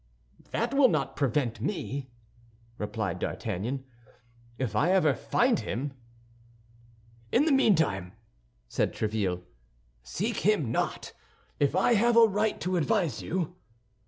"That will not prevent me," replied D'Artagnan, "if ever I find him." "In the meantime," said Tréville, "seek him not—if I have a right to advise you."